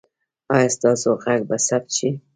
ایا ستاسو غږ به ثبت شي؟